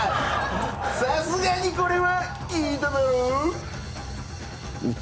さすがにこれはきいただろう？